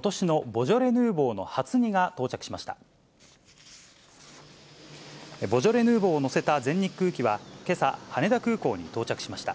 ボジョレ・ヌーボーを載せた全日空機は、けさ、羽田空港に到着しました。